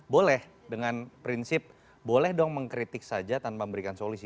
boleh dengan prinsip boleh dong mengkritik saja tanpa memberikan solusi